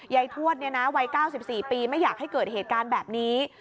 ยายทวดเนี่ยนะวัย๙๔ปีไม่อยากให้เกิดเหตุการณ์แบบนี้